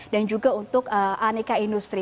dan juga untuk aneka industri